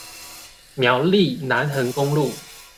苗栗南橫公路